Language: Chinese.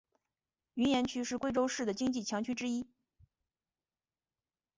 云岩区是贵阳市的经济强区之一。